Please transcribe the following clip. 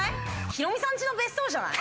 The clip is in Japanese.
ヒロミさんちの別荘じゃない。